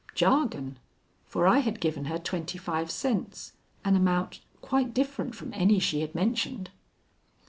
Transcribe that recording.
Jargon; for I had given her twenty five cents, an amount quite different from any she had mentioned.